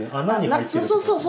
そうそうそう。